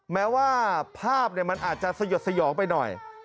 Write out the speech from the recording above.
แม้ว่าภาพมันอาจจะสยดสยองไปหน่อย